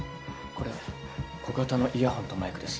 これ小型のイヤホンとマイクです。